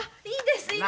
いいです。